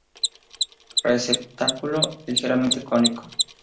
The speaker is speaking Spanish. Receptáculo ligeramente cónico.